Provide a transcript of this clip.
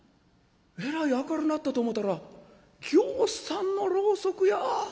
えらい明るなったと思ったらぎょうさんのろうそくや。